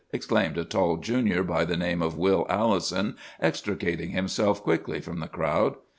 exclaimed a tall Junior by the name of Will Allison, extricating himself quickly from the crowd.